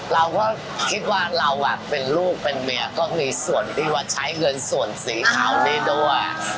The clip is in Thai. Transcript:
เราก็คิดว่าเราเป็นลูกเป็นเมียก็มีส่วนที่ว่าใช้เงินส่วนสีขาวในตัว